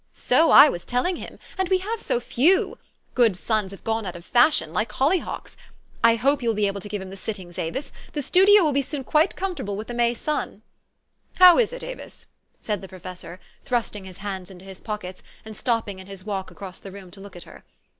" So I was telling him. And we have so few! Good sons have gone out of fashion, like hollyhocks. I hope you will be able to give him the sittings, Avis. The studio will soon be quite comfortable with the May sun." 11 How is it, Avis? " said the professor, thrusting his hands into his pockets, and stopping in his walk across the room to look at her.